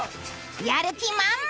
やる気満々。